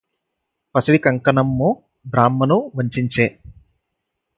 పసిడి కంకణమ్ము బ్రాహ్మణు వంచించె